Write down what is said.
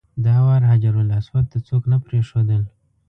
دا وار حجرالاسود ته څوک نه پرېښودل.